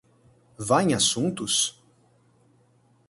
Vá em assuntos?